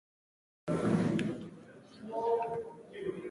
ځینې هنرمندان د کاریکاتور فعالیت ترسره کوي.